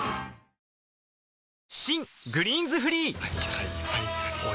はいはいはいはい。